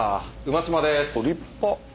馬島です。